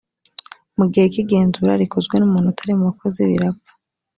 mu gihe cy ‘igenzura rikozwe n’umuntu utari mubakozi birapfa.